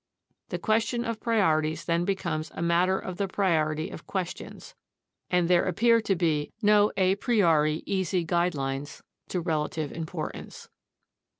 The question of priorities then becomes a matter of the priority of questions (see Figure 1.1), and there appear to be no a priori easy guidelines to relative importance.